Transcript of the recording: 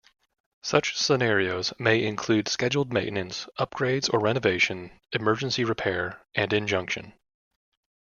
Such scenarios may include scheduled maintenance, upgrades or renovation, emergency repair, and injunction.